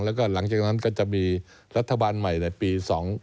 แล้วก็หลังจากนั้นก็จะมีรัฐบาลใหม่ในปี๒๕๖